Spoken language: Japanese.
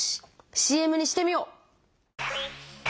ＣＭにしてみよう！